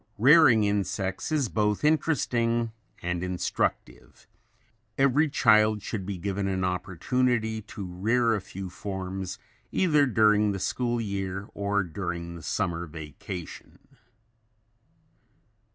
Rearing insects is both interesting and instructive. Every child should be given an opportunity to rear a few forms either during the school year or during the summer vacation.